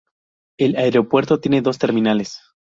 El aeropuerto tiene dos terminales.